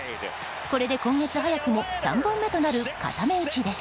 これで今月早くも３本目となる固め打ちです。